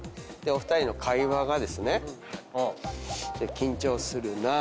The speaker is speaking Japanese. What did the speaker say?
お二人の会話がですね。